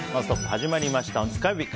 始まりました。